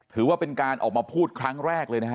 ถือว่าเป็นการออกมาพูดครั้งแรกเลยนะฮะ